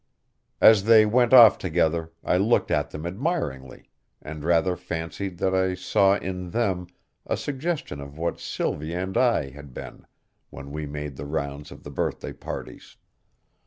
As they went off together I looked at them admiringly and rather fancied that I saw in them a suggestion of what Sylvia and I had been when we made the rounds of the birthday parties.